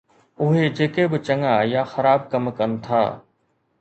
اهي جيڪي به چڱا يا خراب ڪم ڪن ٿا